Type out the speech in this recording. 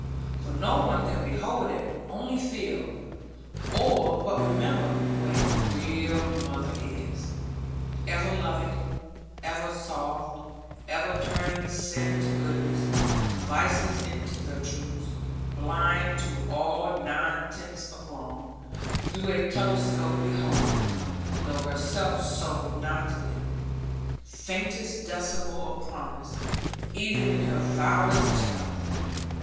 for no one can behold it only feel, or but remember, what a real mother is. Ever loving, ever soft, ever turning sin to goodness, vices into virtues; blind to all nine tenths of wrong; through a telescope beholding (though herself so nigh to them) faintest decimal of promise, even in her vilest child.